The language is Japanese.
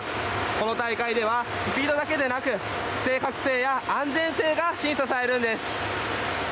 この大会ではスピードだけでなく、正確性や安全性が審査されるんです。